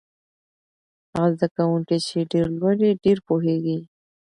هغه زده کوونکی چې ډېر لولي ډېر پوهېږي.